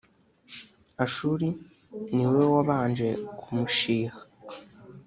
Ashuri ni we wabanje kumushiha